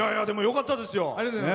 でもよかったですよ。